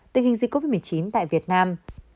tình hình dịch covid một mươi chín tại việt nam